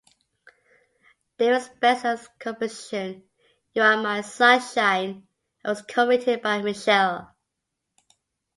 Davis's best-known composition, "You Are My Sunshine", was co-written by Mitchell.